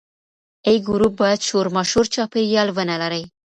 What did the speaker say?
A ګروپ باید شورماشور چاپیریال ونه لري.